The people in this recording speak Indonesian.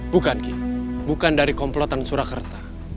bukan ki bukan dari komplotan surakarta